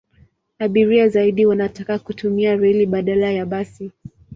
Abiria zaidi wanataka kutumia reli badala ya basi.